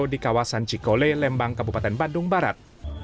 di kawasan cikole lembang kabupaten bandung barat